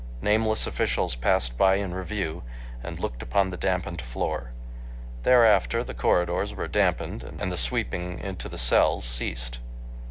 Nameless officials passed by in review and looked upon the dampened floor. Thereafter the corridors were dampened and the sweeping into the cells ceased.